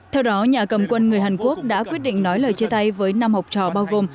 theo đó nhà cầm quân người hàn quốc đã quyết định nói lời chia tay với năm học trò bao gồm